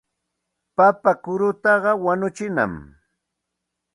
Papa kurutaqa wañuchinam.